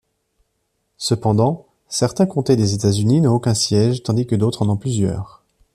Cependant, certains comtés des États-Unis n'ont aucun siège tandis que d'autres en ont plusieurs.